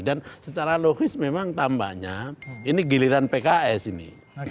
dan secara logis memang tambahnya ini giliran pks ini